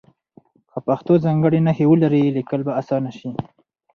که پښتو ځانګړې نښې ولري لیکل به اسانه شي.